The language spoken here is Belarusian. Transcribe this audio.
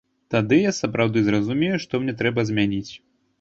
Тады я сапраўды зразумею, што мне трэба змяніць.